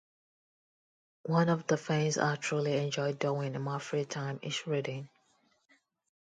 One of the things I truly enjoy doing in my free time is reading.